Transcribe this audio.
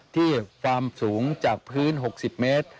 ที่ความสูงจากพื้น๖๐เมตร